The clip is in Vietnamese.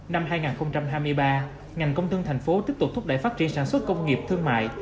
năm hai nghìn hai mươi ba ngành công thương thành phố tiếp tục thúc đẩy phát triển sản xuất công nghiệp thương mại